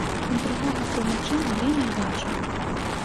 І другога тлумачэння я не бачу.